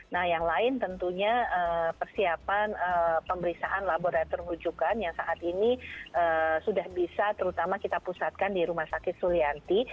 nah yang lain tentunya persiapan pemeriksaan laboratorium rujukan yang saat ini sudah bisa terutama kita pusatkan di rumah sakit sulianti